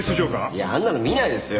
いやあんなの見ないですよ。